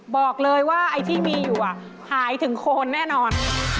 บอกเลยว่าไอ้ที่มีอยู่หายถึงโคนแน่นอน